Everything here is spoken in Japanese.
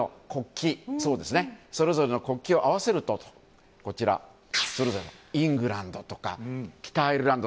それぞれの国旗を合わせるとそれぞれ、イングランドとか北アイルランド